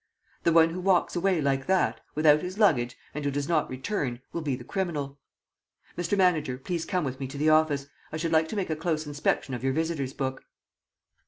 "The one who walks away like that, without his luggage, and who does not return, will be the criminal. Mr. Manager, please come with me to the office. I should like to make a close inspection of your visitors' book."